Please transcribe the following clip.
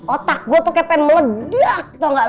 otak gue tuh kayak pengen meledak